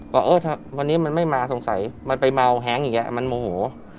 ว่าเออถ้าวันนี้มันไม่มาสงสัยมันไปเมาแฮ้งอย่างนี้มันโมโห